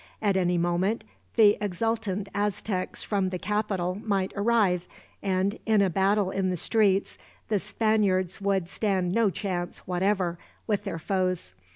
At any moment the exultant Aztecs from the capital might arrive and, in a battle in the streets, the Spaniards would stand no chance, whatever, with their foes.